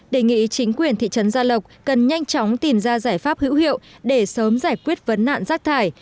đề nghị chính quyền thị trấn gia lộc cần nhanh chóng tìm ra giải pháp hữu hiệu để sớm giải quyết vấn nạn rác thải